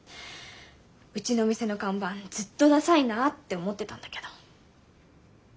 うちのお店の看板ずっとダサいなって思ってたんだけど。